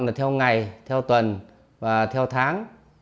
là theo ngày theo tuần và theo tháng